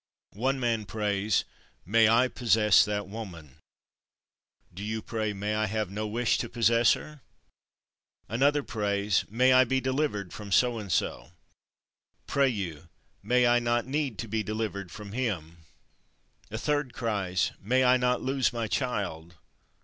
One man prays: "May I possess that woman!" Do you pray: "May I have no wish to possess her!" Another prays: "May I be delivered from so and so!" Pray you: "May I not need to be delivered from him!" A third cries: "May I not lose my child!"